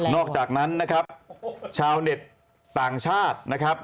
อกจากนั้นนะครับชาวเน็ตต่างชาตินะครับ